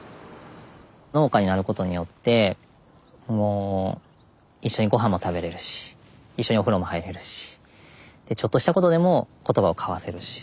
農家になることによってもう一緒に御飯も食べれるし一緒にお風呂も入れるしちょっとしたことでも言葉を交わせるし。